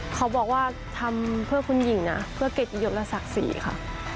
เขาบอกว่าทำเพื่อคุณหญิงนะเพื่อเก็บหยดและศักดิ์ศรีค่ะ